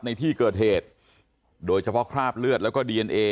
ในที่เกิดเหตุโดยเฉพาะคราบเลือดแล้วก็ดีเอนเอ